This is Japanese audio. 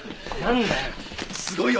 すごいよ！